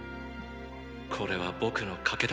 これは僕の賭けだ。